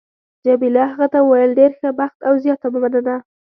جميله هغه ته وویل: ډېر ښه بخت او زیاته مننه.